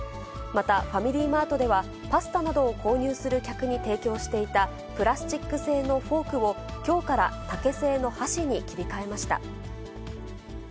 また、ファミリーマートでは、パスタなどを購入する客に提供していたプラスチック製のフォークを、きょうから竹製の箸に切り替えました。